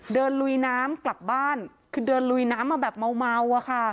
ลุยน้ำกลับบ้านคือเดินลุยน้ำมาแบบเมาอะค่ะ